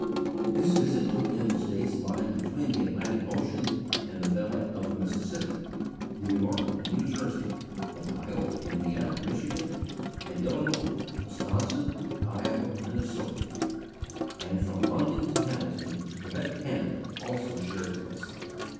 This visit took in the States lying between the Atlantic Ocean and the valley of the Mississippi New York and New Jersey, Ohio, Indiana, Michigan and Illinois, Wisconsin, Iowa, Minnesota and, from London and Hamilton to Quebec, Canada also shared the blessing.